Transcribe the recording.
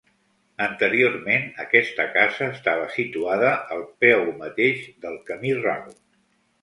Anteriorment, aquesta casa estava situada al peu mateix del camí ral.